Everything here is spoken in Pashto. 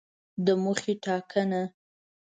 د موخې ټاکنه